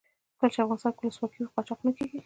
کله چې افغانستان کې ولسواکي وي قاچاق نه کیږي.